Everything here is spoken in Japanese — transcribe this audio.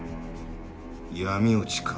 闇落ちか。